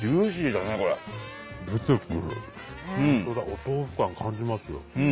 お豆腐感感じますよ。